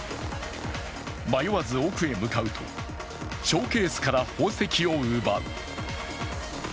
迷わず奥へ向かうとショーケースから宝石を奪う。